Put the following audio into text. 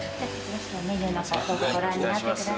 メニューの方どうぞご覧になってください。